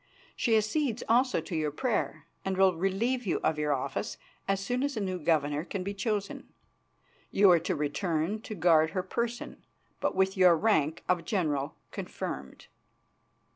She accedes also to your prayer, and will relieve you of your office as soon as a new governor can be chosen. You are to return to guard her person, but with your rank of general confirmed."